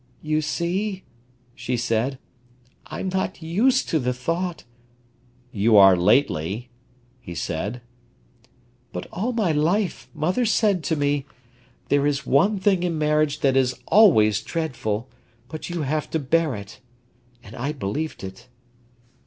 "You see," she said, "I'm not used to the thought—" "You are lately," he said. "But all my life. Mother said to me: 'There is one thing in marriage that is always dreadful, but you have to bear it.' And I believed it."